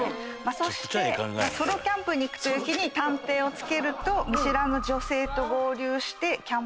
そしてソロキャンプに行くという日に探偵をつけると見知らぬ女性と合流してキャンプ場に。